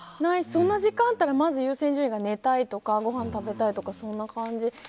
そんな時間あったら優先順位が寝たいとかごはん食べたいとかそんな感じ。